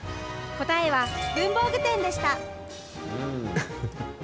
答えは文房具店でした。